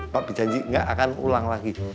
papi janji nggak akan ulang lagi